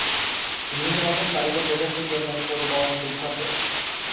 বিভিন্ন রকম তালিকা প্রকাশের জন্য ফোর্বস বিখ্যাত।